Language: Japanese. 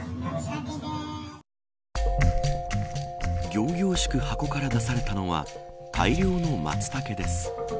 仰々しく箱から出されたのは大量のマツタケです。